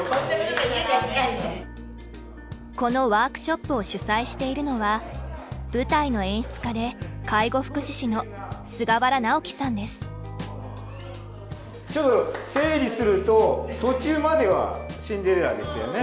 このワークショップを主催しているのは舞台の演出家で介護福祉士のちょっと整理すると途中まではシンデレラでしたよね。